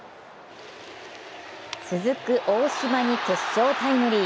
続く大島に決勝タイムリー。